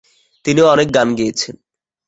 তিনি অনেক গান গেয়েছেন।